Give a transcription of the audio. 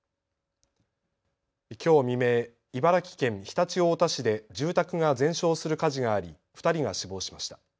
きょう未明、茨城県常陸太田市で住宅が全焼する火事があり２人が死亡しました。